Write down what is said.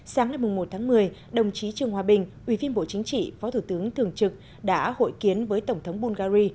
sáng ngày một tháng một mươi đồng chí trường hòa bình ubnd phó thủ tướng thường trực đã hội kiến với tổng thống bungary